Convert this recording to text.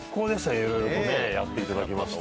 いろいろとやっていただきまして。